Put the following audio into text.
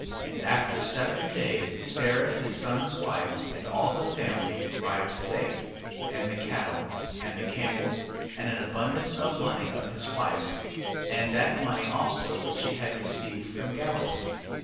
11:18. And after seven days Sara his son's wife and all the family arrived safe, and the cattle, and the camels, and an abundance of money of his wife's: and that money also which he had received of Gabelus, 11:19.